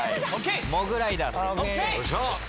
モグライダー正解。